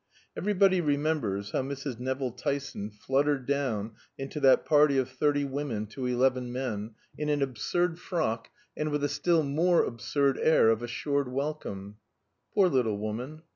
Everybody remembers how Mrs. Nevill Tyson fluttered down into that party of thirty women to eleven men, in an absurd frock, and with a still more absurd air of assured welcome. Poor little woman!